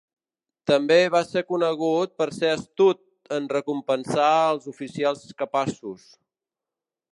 També va ser conegut per ser astut en recompensar als oficials capaços.